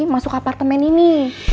masuk apartemen ini